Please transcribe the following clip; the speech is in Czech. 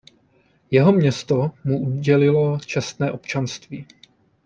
Jeho město mu udělilo čestné občanství.